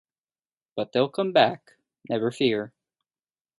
But they'll come back, never fear.